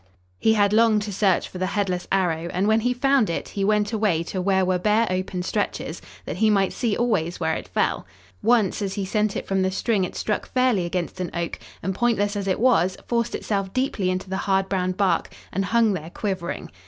He had long to search for the headless arrow and when he found it he went away to where were bare open stretches, that he might see always where it fell. Once as he sent it from the string it struck fairly against an oak and, pointless as it was, forced itself deeply into the hard brown bark and hung there quivering.